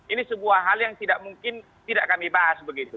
ini sebuah hal yang tidak mungkin tidak kami bahas begitu